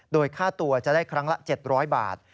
โดยค่าตัวจะได้ครั้งละ๗๐๐บาท